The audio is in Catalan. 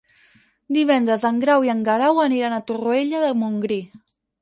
Divendres en Grau i en Guerau aniran a Torroella de Montgrí.